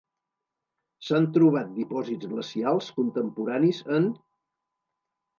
S'han trobat dipòsits glacials contemporanis en: